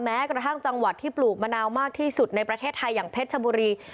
แม้กระทั่งจังหวัดที่ปลูกมะนาวมากที่สุดในประเทศไทยอย่างเพชรชบุรี